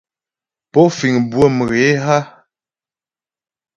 Pó fíŋ bʉə̌ mhě a?